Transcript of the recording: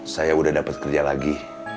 saya udah dapat kerja lagi